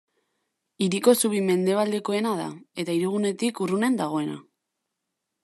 Hiriko zubi mendebaldekoena da eta hirigunetik urrunen dagoena.